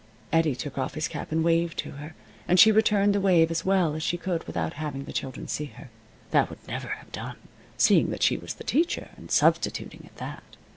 Eddie took off his cap and waved to her, and she returned the wave as well as she could without having the children see her. That would never have done, seeing that she was the teacher, and substituting at that.